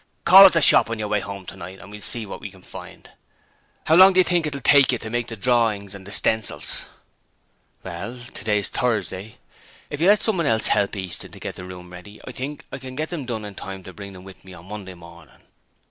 'Call at the shop on your way home tonight, and we'll see what we can find. 'Ow long do you think it'll take you to make the drorins and the stencils?' 'Well, today's Thursday. If you let someone else help Easton to get the room ready, I think I can get them done in time to bring them with me on Monday morning.'